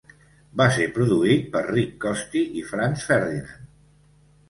Va ser produït per Rich Costey i Franz Ferdinand.